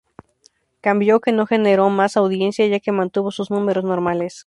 Cambio que no generó más audiencia ya que mantuvo sus números normales.